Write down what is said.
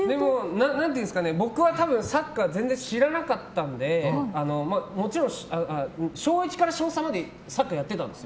僕は多分、サッカーを全然知らなかったので小１から小３までサッカーやってたんですよ。